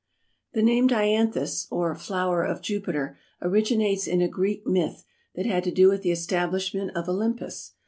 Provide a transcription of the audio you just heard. The name Dianthus, or flower of Jupiter, originates in a Greek myth, that had to do with the establishment of Olympus.